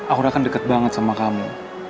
akurat kan deket banget sama kamu